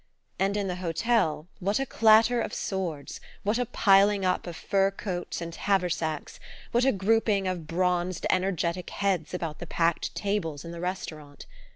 And in the hotel, what a clatter of swords, what a piling up of fur coats and haversacks, what a grouping of bronzed energetic heads about the packed tables in the restaurant!